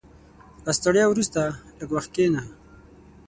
• له ستړیا وروسته، لږ وخت کښېنه.